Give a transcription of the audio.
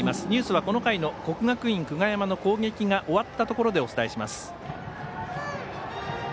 ニュースは、この回の国学院久我山の攻撃が終わったところでお伝えします。